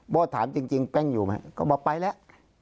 ถามจริงแป้งอยู่ไหมก็บอกไปแล้ว